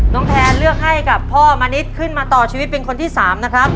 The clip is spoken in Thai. แทนเลือกให้กับพ่อมณิษฐ์ขึ้นมาต่อชีวิตเป็นคนที่๓นะครับ